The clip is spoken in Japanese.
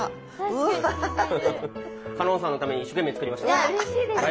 香音さんのために一生懸命作りました。